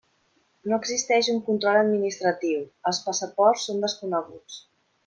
No existeix un control administratiu; els passaports són desconeguts.